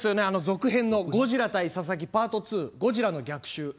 続編の「ゴジラ対佐々木パート２ゴジラの逆襲」。